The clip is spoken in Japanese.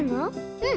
うん。